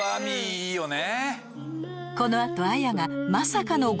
いいよね。